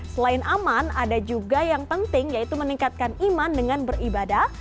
selain aman ada juga yang penting yaitu meningkatkan iman dengan beribadah